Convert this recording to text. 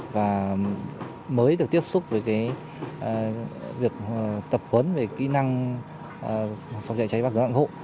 và mới được tiếp xúc với việc tập huấn về kỹ năng phòng chạy cháy bác cường ạng hộ